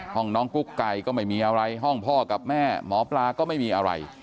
ห้องน้องกุ๊กไก่ก็ไม่มีอะไรห้องพ่อกับแม่หมอปลาก็ไม่มีอะไร